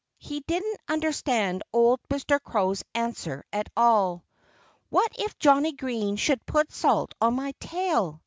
He didn't understand old Mr. Crow's answer at all. "What if Johnnie Green should put salt on my tail?"